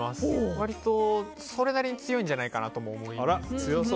割とそれなりに強いんじゃないかなとも思います。